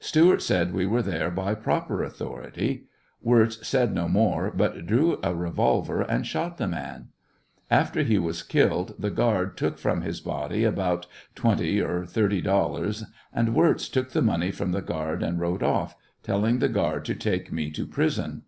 Stewart said we were there by proper authority. Wirz said no more, but drew a revolver and shot the man. After he was killed the guard took from his body about $20 or $30, and Wirz took the money from the guard and rode off, telling the guard to take me to prison.